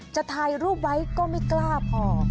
จะถ่ายรูปไว้ก็ไม่กล้าพอ